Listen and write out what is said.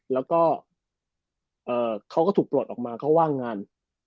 แล้วก็เขาก็ถูกปลดออกมาเขาว่างงาน